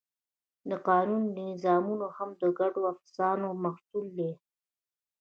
د قانون نظامونه هم د ګډو افسانو محصول دي.